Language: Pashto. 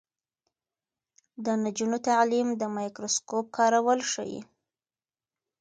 د نجونو تعلیم د مایکروسکوپ کارول ښيي.